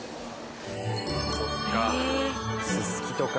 そっか。